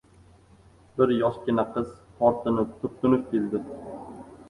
Bir yoshgina qiz tortinib-turtinib keldi.